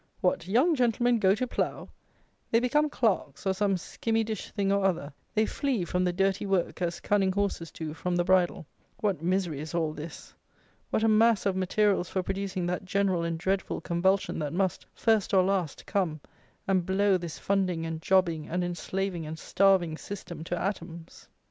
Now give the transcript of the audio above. What, "young gentlemen" go to plough! They become clerks, or some skimmy dish thing or other. They flee from the dirty work as cunning horses do from the bridle. What misery is all this! What a mass of materials for producing that general and dreadful convulsion that must, first or last, come and blow this funding and jobbing and enslaving and starving system to atoms!